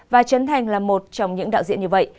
và trấn thành là một trong những đạo diễn như vậy